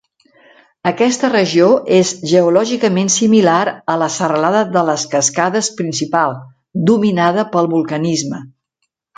Aquesta regió és geològicament similar a la serralada de les Cascades principal, dominada pel vulcanisme.